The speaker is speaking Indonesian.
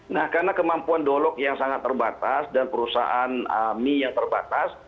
nah karena kemampuan dolog yang sangat terbatas dan perusahaan mie yang terbatas